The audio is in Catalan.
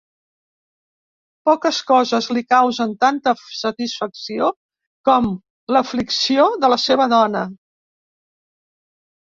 Poques coses li causen tanta satisfacció com l'aflicció de la seva dona.